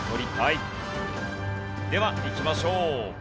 ではいきましょう。